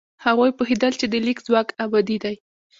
هغوی پوهېدل چې د لیک ځواک ابدي دی.